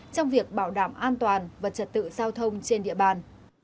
trong việc bảo đảm an toàn và trật tự giao thông trên địa bàn